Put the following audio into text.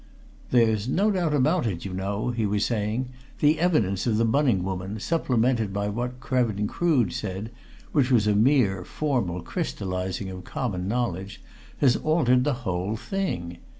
"There's no doubt about it, you know," he was saying. "The evidence of the Bunning woman, supplemented by what Krevin Crood said which was a mere, formal, crystallizing of common knowledge has altered the whole thing.